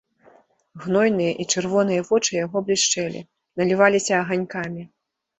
Гнойныя і чырвоныя вочы яго блішчэлі, наліваліся аганькамі.